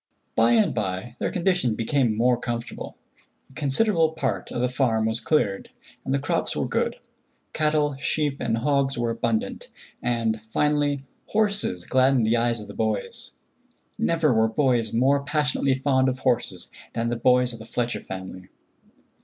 By and by their condition became more comfortable. A considerable part of the farm was cleared, and the crops were good. Cattle, sheep and hogs were abundant, and, finally, horses gladdened the eyes of the boys. Never were boys more passionately fond of horses than the boys of the Fletcher family.